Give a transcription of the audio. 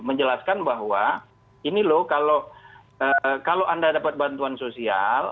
menjelaskan bahwa ini loh kalau anda dapat bantuan sosial